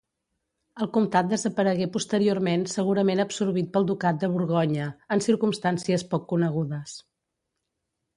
El comtat desaparegué posteriorment segurament absorbit pel ducat de Borgonya, en circumstàncies poc conegudes.